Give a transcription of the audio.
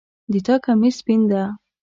د تا کمیس سپین ده